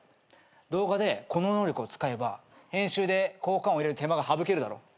動画でこの能力を使えば編集で効果音入れる手間が省けるだろ。